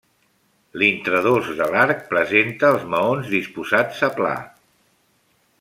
L'intradós de l'arc presenta els maons disposats a pla.